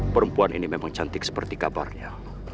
perempuan ini memang cantik seperti kabarnya